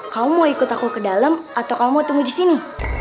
kamu mau ikut aku ke dalem atau kamu mau tunggu disini